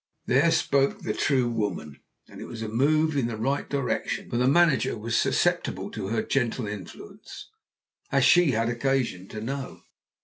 There spoke the true woman. And it was a move in the right direction, for the manager was susceptible to her gentle influence, as she had occasion to know.